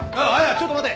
ちょっと待て。